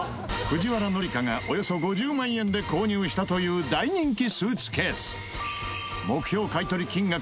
藤原紀香がおよそ５０万円で購入したという大人気スーツケース。